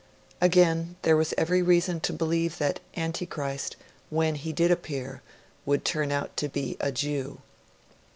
Again, there was every reason to believe that Antichrist, when he did appear, would turn out to be a Jew.